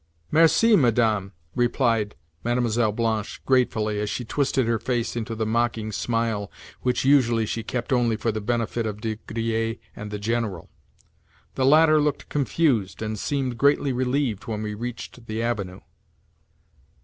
"Merci, Madame," replied Mlle. Blanche gratefully as she twisted her face into the mocking smile which usually she kept only for the benefit of De Griers and the General. The latter looked confused, and seemed greatly relieved when we reached the Avenue.